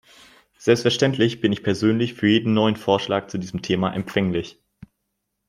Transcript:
Selbstverständlich bin ich persönlich für jeden neuen Vorschlag zu diesem Thema empfänglich.